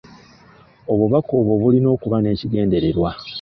Obubaka obwo bulina okuba n'ekigendererwa.